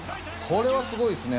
これはすごいですね。